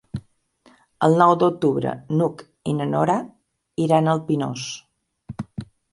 El nou d'octubre n'Hug i na Nora iran al Pinós.